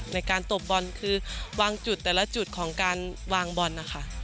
ตบบอลคือวางจุดแต่ละจุดของการวางบอลนะคะ